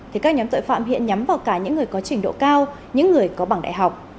thì các nhóm tội phạm hiện nhắm vào cả những người có trình độ cao những người có bảng đại học